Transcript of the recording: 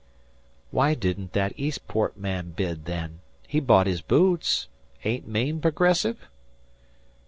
"Why didn't that Eastport man bid, then? He bought his boots. Ain't Maine progressive?"